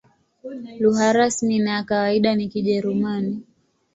Lugha rasmi na ya kawaida ni Kijerumani.